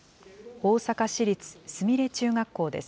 大阪市立菫中学校です。